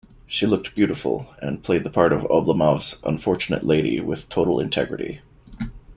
She looked beautiful, and played the part of Oblomov's unfortunate lady with total integrity.